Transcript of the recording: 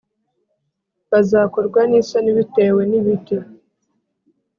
Bazakorwa n isoni bitewe n ibiti